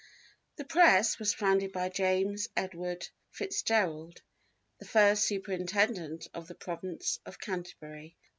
The Press was founded by James Edward FitzGerald, the first Superintendent of the Province of Canterbury.